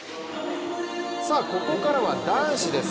ここからは男子です。